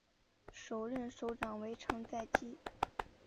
首任首长为成在基。